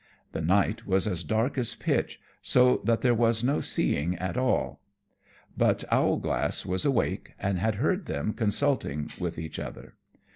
The night was as dark as pitch, so that there was no seeing at all; but Owlglass was awake, and had heard them consulting with each other.